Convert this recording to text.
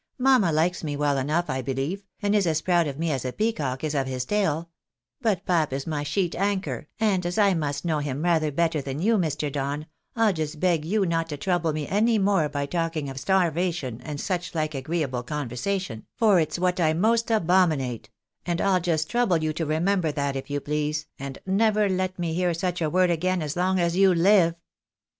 Mamma likes me well enough, I believe, and is as proud of me as a peacock is of his tail ; but pap is my sheet anchor, and as I must know him rather better than you, Mr. Don, I'U just beg you not to trouble me any more by talking of starvation and such like agreeable conversation, for it's what I most abomi nate ; and I'll just trouble you to remember that if you please, and never let me hear such a word again as long as you live."